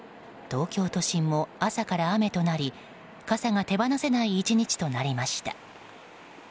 東京都心も朝から雨となり傘が手放せない１日となりました。